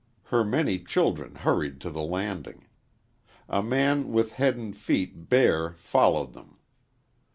Her many children hurried to the landing. A man with head and feet bare followed them.